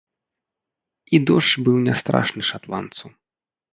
І дождж быў не страшны шатландцу.